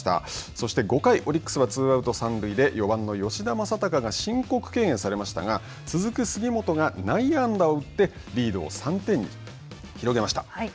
そして５回オリックスはツーアウト、三塁で４番の吉田正尚が申告敬遠されましたが、続く杉本が内野安打を打って、リードを３点に広げました。